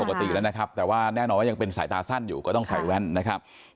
ปกติแล้วนะครับแต่ว่าแน่นอนว่ายังเป็นสายตาสั้นอยู่ก็ต้องใส่แว่นนะครับ